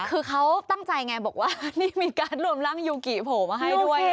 คือเขาตั้งใจไงบอกว่านี่มีการรวมร่างยูกิโผล่มาให้ด้วย